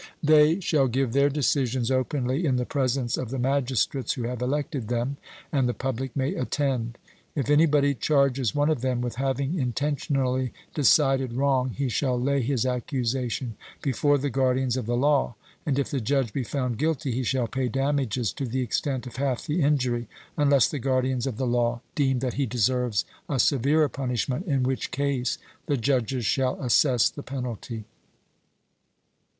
They shall give their decisions openly, in the presence of the magistrates who have elected them; and the public may attend. If anybody charges one of them with having intentionally decided wrong, he shall lay his accusation before the guardians of the law, and if the judge be found guilty he shall pay damages to the extent of half the injury, unless the guardians of the law deem that he deserves a severer punishment, in which case the judges shall assess the penalty.